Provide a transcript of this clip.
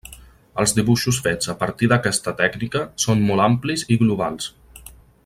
Els dibuixos fets a partir d'aquesta tècnica són molt amplis i globals.